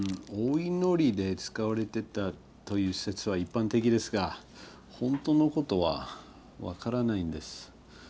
お祈りで使われてたという説は一般的ですが本当のことは分からないんです。